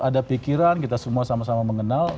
ada pikiran kita semua sama sama mengenal